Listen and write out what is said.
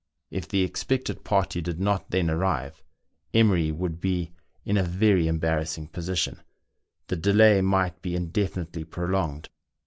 If the expected party did not then arrive, Emery would be in a very embarrassing position; the delay might be indefinitely prolonged.